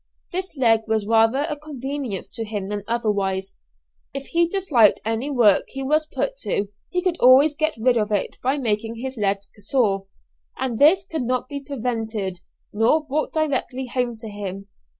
This leg was rather a convenience to him than otherwise. If he disliked any work he was put to, he could always get rid of it by making his leg sore, and this could not be prevented, nor brought directly home to him.